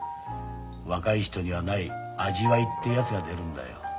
若い人にはない味わいってやつが出るんだよ。